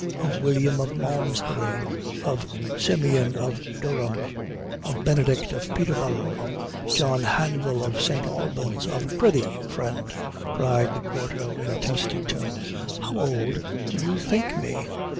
Of William of Malmsbury; of Simeon of Durham; of Benedict of Peterborough; of John Hanvill of St. Albans; of " "Prithee, friend," cried the quarto, in a testy tone, "how old do you think me?